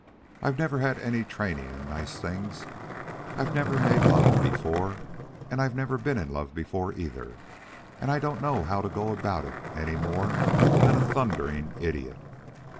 I've never had any training in nice things. I've never made love before, and I've never been in love before either and I don't know how to go about it any more than a thundering idiot.